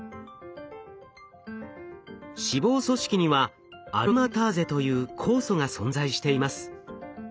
脂肪組織にはアロマターゼという酵素が存在しています。